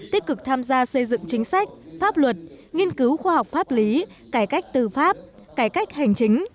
tích cực tham gia xây dựng chính sách pháp luật nghiên cứu khoa học pháp lý cải cách tư pháp cải cách hành chính